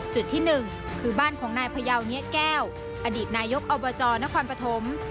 จุดที่๑คือบ้านของนายพยาวเนียดแก้วอดีตนายกอบจนครปฐม